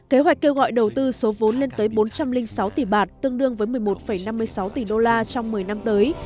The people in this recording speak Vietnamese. kế hoạch kêu gọi đầu tư số vốn lên tới bốn trăm linh sáu tỷ bạt tương đương với một mươi một năm mươi sáu tỷ đô la trong một mươi năm tới